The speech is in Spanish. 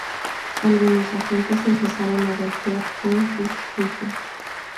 Algunos agentes empezaron a golpear con sus rifles.